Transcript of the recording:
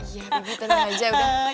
iya bibi tenang aja udah